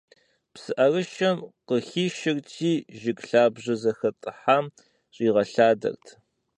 ПсыӀэрышэм къыхишырти, жыг лъабжьэ зэхэтӀыхьам щӀигъэлъадэрт.